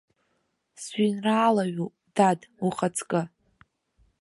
Сжәеинраалаҩуп, дад, ухаҵкы!